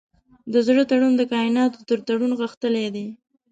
د زړه تړون د کایناتو تر تړون غښتلی دی.